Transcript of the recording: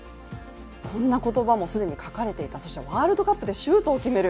こんな言葉も既に書かれていたそしてワールドカップでシュートを決める。